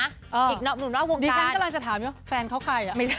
อ่ะดีแฟนต์กำลังถามแฟนเค้าใคร